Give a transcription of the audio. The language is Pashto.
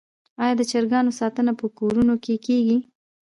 آیا د چرګانو ساتنه په کورونو کې کیږي؟